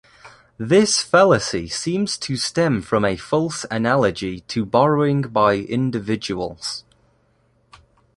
This fallacy seems to stem from a false analogy to borrowing by individuals.